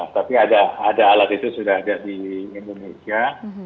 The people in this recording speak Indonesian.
tapi ada alat itu sudah ada di indonesia